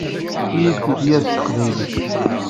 Efk-iyi-d tifyar s teqbaylit.